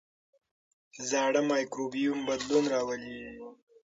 زاړه مایکروبیوم بدلون راولي.